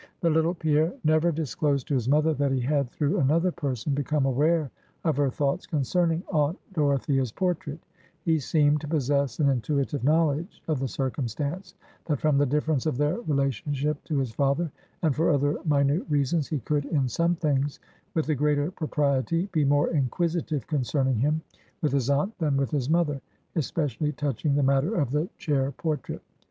The little Pierre never disclosed to his mother that he had, through another person, become aware of her thoughts concerning Aunt Dorothea's portrait; he seemed to possess an intuitive knowledge of the circumstance, that from the difference of their relationship to his father, and for other minute reasons, he could in some things, with the greater propriety, be more inquisitive concerning him, with his aunt, than with his mother, especially touching the matter of the chair portrait.